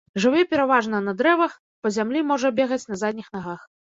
Жыве пераважна на дрэвах, па зямлі можа бегаць на задніх нагах.